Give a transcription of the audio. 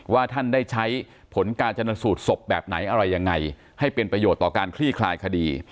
ว่าท่านได้ใช้ผลการชนสูตรศพแบบไหนอะไรยังไงให้เป็นประโยชน์ต่อการคลี่คลายคดี